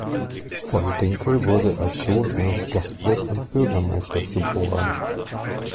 Von Dinkel wurde als Sohn eines Gastwirts und Bürgermeisters geboren.